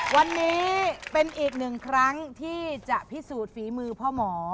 วันนี้เป็นอีกหนึ่งครั้งที่จะพิสูจน์ฝีมือพ่อหมอ